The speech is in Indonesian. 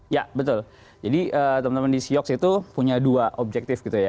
ya betul jadi teman teman di siox itu punya dua objektif gitu ya